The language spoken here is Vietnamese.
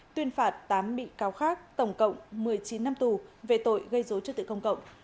tuyên phạt tám bị cáo khác tổng cộng một mươi chín năm tù về tội gây dối trật tự công cộng